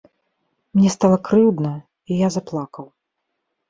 Мне стала крыўдна, і я заплакаў.